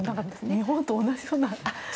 日本と同じような。